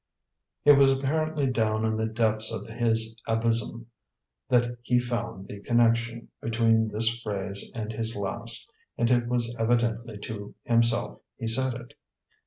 It was apparently down in the depths of his abysm that he found the connection between this phrase and his last, and it was evidently to himself he said it.